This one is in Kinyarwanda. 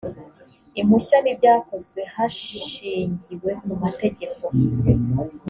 impushya n ibyakozwe hashingiwe kumategeko